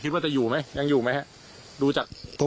ว่าจะอยู่ไหมยังอยู่ไหมฮะดูจาก